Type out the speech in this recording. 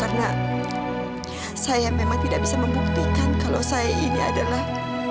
harus ngomong apalagi sama nyonya karena saya memang tidak bisa membuktikan kalau saya ini adalah